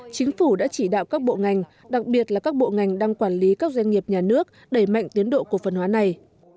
chính phủ đã chỉ đạo các bộ ngành đặc biệt là các bộ ngành đang quản lý các doanh nghiệp nhà nước đẩy mạnh tiến độ cổ phần hóa này